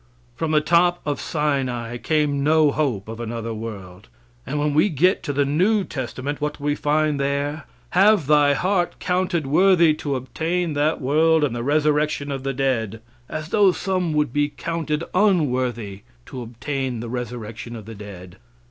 From the top of Sinai came no hope of another world. And when we get to the new testament, what do we find there? Have thy heart counted worthy to obtain that world and the resurrection of the dead. As though some would be counted unworthy to obtain the resurrection of the dead.